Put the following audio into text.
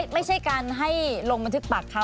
ไม่ใช่การให้โรงบัญชึกปากคำ